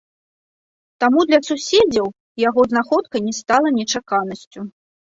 Таму для суседзяў яго знаходка не стала нечаканасцю.